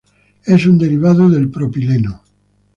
Es un derivado del Propileno.